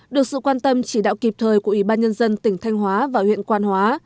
được sự quan tâm chỉ đạo kịp thời của ủy ban nhân dân tỉnh thanh hóa và huyện quan hóa